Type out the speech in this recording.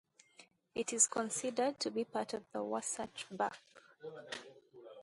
It is considered to be part of the Wasatch Back.